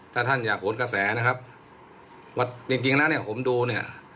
ถ้าท่านอยากโหนกระแสนะครับว่าจริงจริงแล้วเนี่ยผมดูเนี่ย